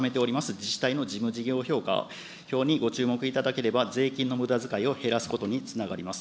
自治体の事務事業評価票にご注目いただければ、税金のむだづかいを減らすことにつながります。